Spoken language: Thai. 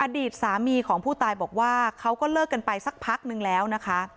อดีตสามีของผู้ตายบอกว่าเขาก็เลิกกันไปสักพักนึงแล้วนะคะ